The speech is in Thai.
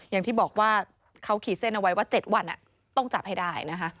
อย่างที่บอกว่าเขาขีดเส้นเอาไว้ว่า๗วันต้องจับให้ได้นะคะ